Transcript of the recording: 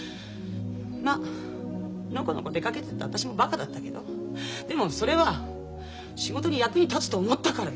まのこのこ出かけてった私もバカだったけどでもそれは仕事に役に立つと思ったからよ。